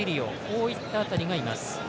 こういった辺りがいます。